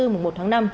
mùa một tháng năm